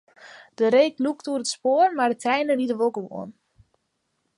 De reek lûkt oer it spoar, mar de treinen ride wol gewoan.